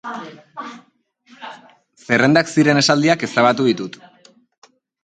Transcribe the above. Zerrendak ziren esaldiak ezabatu ditut.